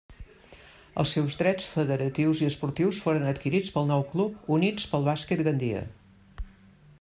Els seus drets federatius i esportius foren adquirits pel nou club Units pel Bàsquet Gandia.